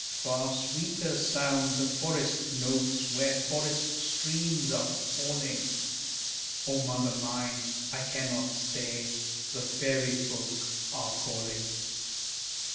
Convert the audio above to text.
Far sweeter sound the forest notes where forest streams are falling; O mother mine, I cannot stay, the fairy folk are calling.